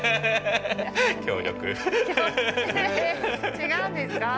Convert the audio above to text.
違うんですか？